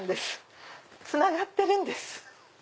つながってるんです。